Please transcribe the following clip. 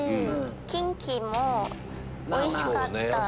キンキもおいしかった。